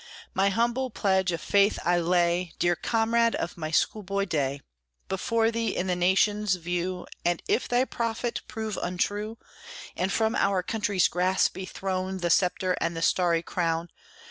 My humble pledge of faith I lay, Dear comrade of my school boy day, Before thee, in the nation's view, And if thy prophet prove untrue, And from our country's grasp be thrown The sceptre and the starry crown.